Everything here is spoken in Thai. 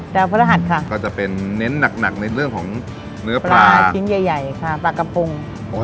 พระรหัสค่ะก็จะเป็นเน้นหนักในเรื่องของเนื้อปลาชิ้นใหญ่ใหญ่ค่ะปลากระพง